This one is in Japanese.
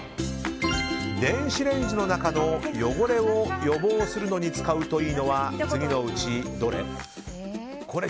電子レンジの中の汚れを予防するのに使うといいのは次のうち、どれ？